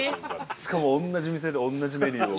しかも同じ店で同じメニューを。